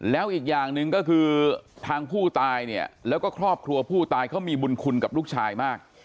แล้วอีกอย่างหนึ่งก็คือทางผู้ตายเนี่ยแล้วก็ครอบครัวผู้ตายเขามีบุญคุณกับลูกชายมาก